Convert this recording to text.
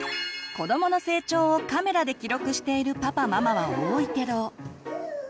子どもの成長をカメラで記録しているパパママは多いけど。